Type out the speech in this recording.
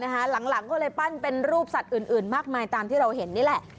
หลังก็เลยปั้นเป็นรูปสัตว์อื่นมากมายตามที่เราเห็นนี่แหละ